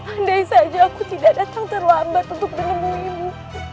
andai saja aku tidak datang terlambat untuk menemuimu